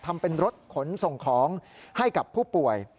ทำเป็นรถขนส่งของให้กับผู้ป่วย